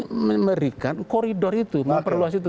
kita memberikan koridor itu memperluas itu